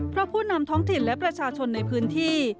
เพราะผู้นำท้องถิ่นและประชาชนในพื้นที่